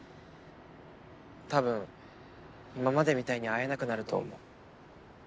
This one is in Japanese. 多分今までみたいに会えなくなると思う。